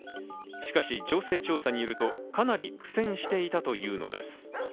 しかし情勢調査によると、かなり苦戦していたというのです。